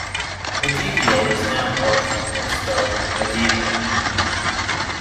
Mediaeval is now more frequently spelled medieval.